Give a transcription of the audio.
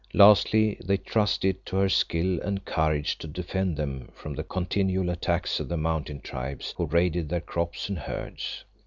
Lastly they trusted to her skill and courage to defend them from the continual attacks of the Mountain tribes who raided their crops and herds.